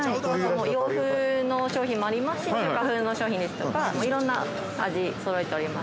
◆洋風の商品もありますし、中華風の商品ですとか、いろんな味、そろえております。